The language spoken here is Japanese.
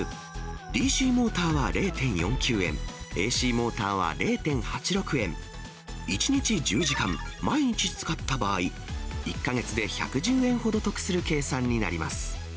ＤＣモーターは０．４９円、ＡＣモーターは０．８６円、１日１０時間、毎日使った場合、１か月で１１０円ほど得する計算になります。